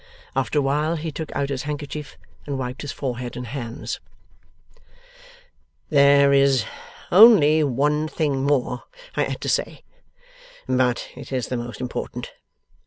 After a while he took out his handkerchief and wiped his forehead and hands. 'There is only one thing more I had to say, but it is the most important.